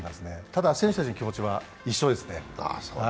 ただ選手たちの気持ちは一緒ですね。